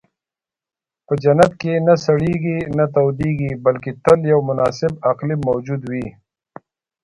په جنت کې نه سړېږي، نه تودېږي، بلکې تل یو مناسب اقلیم موجود وي.